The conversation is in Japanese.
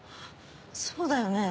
そうだよね。